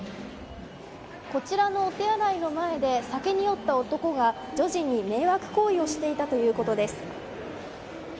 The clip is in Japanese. こちらのお手洗いの前で酒に酔った男が女児に迷惑行為をしていたということです。